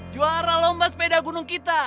juara lomba sepeda gunung kita